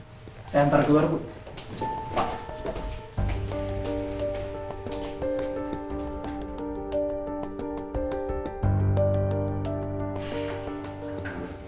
saya antar keluar bu